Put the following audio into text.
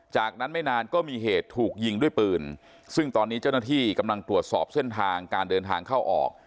จากนั้นไม่นานก็มีเหตุถูกยิงด้วยปืนซึ่งตอนนี้เจ้าหน้าที่กำลังตรวจสอบเส้นทางการเดินทางเข้าออก